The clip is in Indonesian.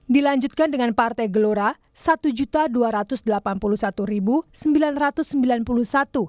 dilanjutkan dengan partai gelora satu dua ratus delapan puluh satu sembilan ratus sembilan puluh satu atau delapan puluh empat